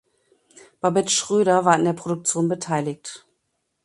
Barbet Schroeder war an der Produktion beteiligt.